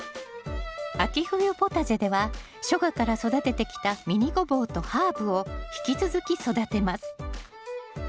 秋冬ポタジェでは初夏から育ててきたミニゴボウとハーブを引き続き育てます。